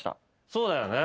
そうだよね。